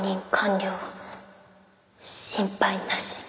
心配なし。